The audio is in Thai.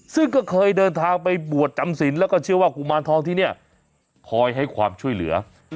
ซึ่งก็เคยเดินทางไปบวชจำศิลปแล้วก็เชื่อว่ากุมารทองที่เนี่ยคอยให้ความช่วยเหลือ